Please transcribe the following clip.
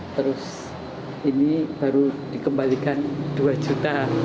terus ini baru dikembalikan dua juta